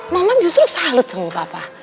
mama justru salut sama bapak